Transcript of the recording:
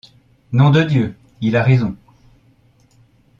Nom de Dieu ! il a raison…